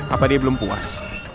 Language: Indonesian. apa dia belum puas